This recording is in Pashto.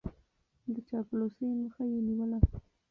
د چاپلوسۍ مخه يې نيوله.